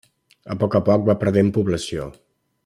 A poc a poc va perdent població.